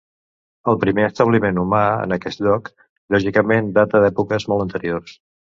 El primer establiment humà en aquest lloc, lògicament, data d'èpoques molt anteriors.